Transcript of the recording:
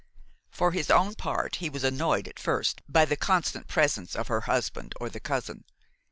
For his own part, he was annoyed at first by the constant presence of the husband or the cousin.